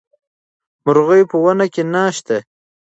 مرغۍ په ونه کې نه شته.